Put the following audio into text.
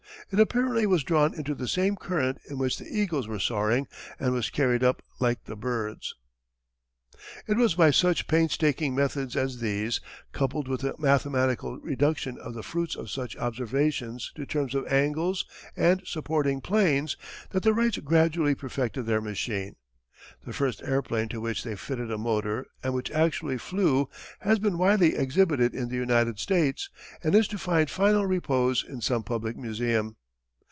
It apparently was drawn into the same current in which the eagles were soaring and was carried up like the birds. It was by such painstaking methods as these, coupled with the mathematical reduction of the fruits of such observations to terms of angles and supporting planes, that the Wrights gradually perfected their machine. The first airplane to which they fitted a motor and which actually flew has been widely exhibited in the United States, and is to find final repose in some public museum.